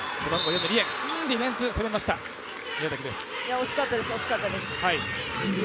惜しかったです、惜しかったです。